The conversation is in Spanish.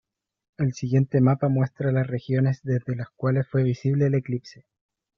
El siguiente mapa muestra las regiones desde las cuales fue visible el eclipse.